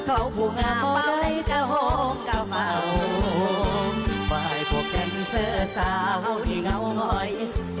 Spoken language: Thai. โอ้แปปนี้